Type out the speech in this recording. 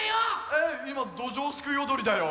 えっいまどじょうすくいおどりだよ。